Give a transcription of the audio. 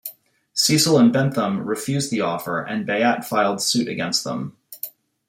Cecil and Bentham refused the offer and Bayat filed suit against them.